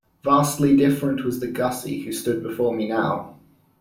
Vastly different was the Gussie who stood before me now.